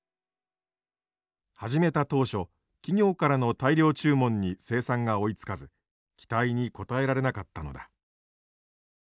始めた当初企業からの大量注文に生産が追いつかず期待に応えられなかったのだ。